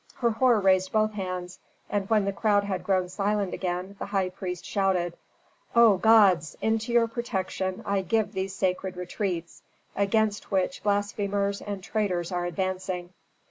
Herhor raised both hands, and when the crowd had grown silent again the high priest shouted, "O gods! into your protection I give these sacred retreats, against which blasphemers and traitors are advancing!"